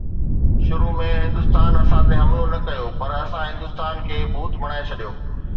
شروع ۾ هندستان اسان تي حملو نه ڪيو پر اسان هندستان کي ڀوت بڻائي ڇڏيو.